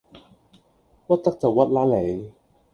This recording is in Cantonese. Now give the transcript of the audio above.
屈得就屈啦你